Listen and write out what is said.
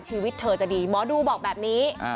ชีวิตเธอจะดีหมอดูบอกแบบนี้